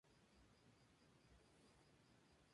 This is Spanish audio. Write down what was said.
Su nombre rinde homenaje a Luis Adaro Ruiz-Falcó.